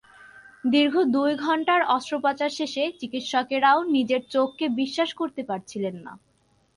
দীর্ঘ দুই ঘণ্টার অস্ত্রপচার শেষে চিকিৎসকেরাও নিজের চোখকে বিশ্বাস করতে পারছিলেন না।